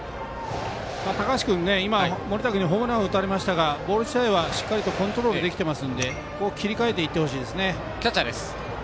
高橋君、森田君にホームランを打たれましたがボール自体はしっかりとコントロールできてますので切り替えていってほしいですね。